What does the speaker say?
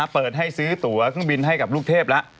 เปิดให้ซื้อตัวเครื่องบินให้กับลูกเทพแล้ว